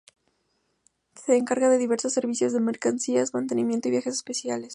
Se encargan de diversos servicios de mercancías, mantenimiento y viajes especiales.